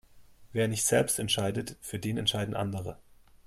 Wer nicht selbst entscheidet, für den entscheiden andere.